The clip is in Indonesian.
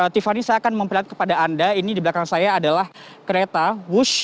tiffany saya akan memperlihatkan kepada anda ini di belakang saya adalah kereta wush